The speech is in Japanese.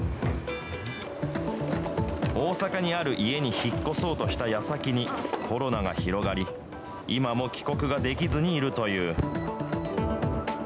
大阪にある家に引っ越そうとしたやさきに、コロナが広がり、今も帰国ができずにいるという。